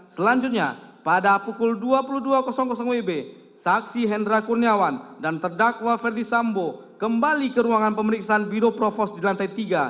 selanjutnya pada pukul dua puluh dua wb saksi hendra kurniawan dan terdakwa ferdisambo kembali ke ruangan pemeriksaan biro provos di lantai tiga